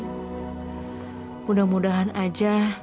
tapi mudah mudahan aja